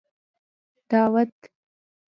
دعوت